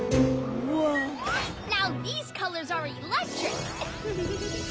ウフフッ。